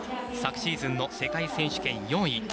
昨シーズンの世界選手権４位。